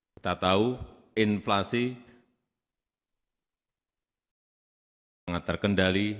kita tahu inflasi sangat terkendali